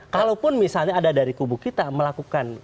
kalaupun misalnya ada dari kubu kita melakukan